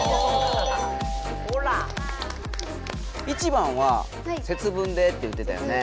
１番は節分でって言ってたよね。